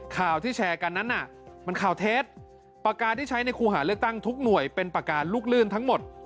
ข่าวที่แชร์กันนั้นน่ะมันข่าวเท็จปากกาที่ใช้ในครูหาเลือกตั้งทุกหน่วยเป็นปากการลูกลื่นทั้งหมด